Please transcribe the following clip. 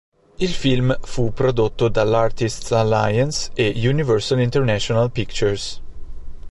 Il film fu prodotto dall' Artists Alliance e Universal International Pictures.